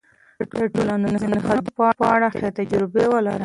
د ټولنيزو نهادونو په اړه ښې تجربې ولرئ.